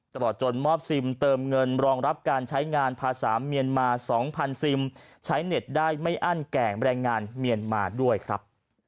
ตลอดจนมอบซิมเติมเงินรองรับการใช้งานภาษาเมียนมา๒๐๐ซิมใช้เน็ตได้ไม่อั้นแก่งแรงงานเมียนมาด้วยครับ